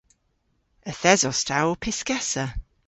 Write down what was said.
Yth esos ta ow pyskessa.